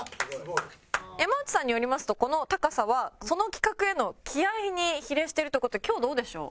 山内さんによりますとこの高さはその企画への気合に比例しているという事で今日どうでしょう？